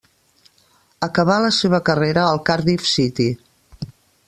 Acabà la seva carrera al Cardiff City.